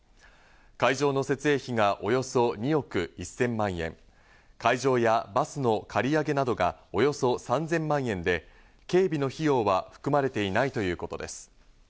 会場の設営費がおよそ２億１０００万円、会場やバスの借り上げなどが、およそ３０００万円で警備の費用は含まれていないということです。